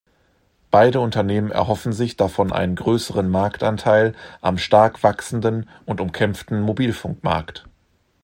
Beide Unternehmen erhoffen sich davon einen größeren Marktanteil am stark wachsenden und umkämpften Mobilfunkmarkt.